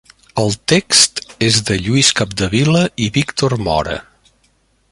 El text és de Lluís Capdevila i Víctor Mora.